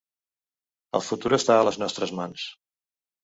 El futur està a les nostres mans.